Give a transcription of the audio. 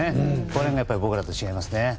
そこら辺が僕らと違いますね。